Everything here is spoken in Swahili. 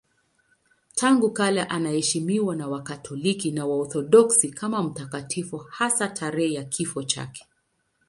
Tangu kale anaheshimiwa na Wakatoliki na Waorthodoksi kama mtakatifu, hasa tarehe ya kifo chake.